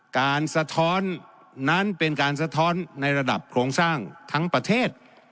สะท้อนนั้นเป็นการสะท้อนในระดับโครงสร้างทั้งประเทศ